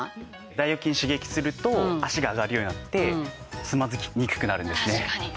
大腰筋を刺激すると脚が上がるようになってつまずきにくくなるんですね。